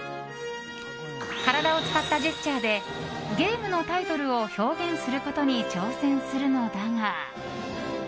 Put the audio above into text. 体を使ったジェスチャーでゲームのタイトルを表現することに挑戦するのだが。